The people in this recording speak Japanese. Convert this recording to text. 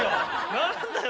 何だよ